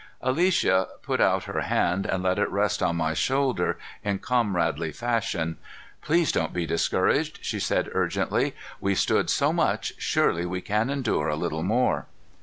Alicia put out her hand and let it rest on my shoulder in comradely fashion. "Please don't be discouraged," she said urgently. "We've stood so much, surely we can endure a little more."